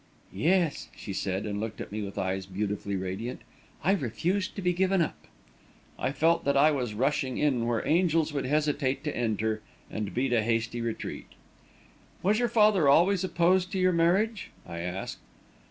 "Yes," she said, and looked at me with eyes beautifully radiant. "I refused to be given up." I felt that I was rushing in where angels would hesitate to enter, and beat a hasty retreat. "Was your father always opposed to your marriage?" I asked.